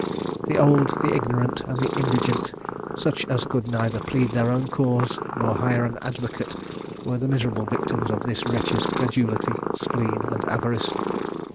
The old, the ignorant, and the indigent, such as could neither plead their own cause nor hire an advocate, were the miserable victims of this wretch's credulity, spleen, and avarice.